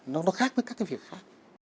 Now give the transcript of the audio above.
nó khác với các cái việc khác